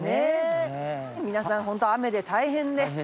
皆さん本当雨で大変で。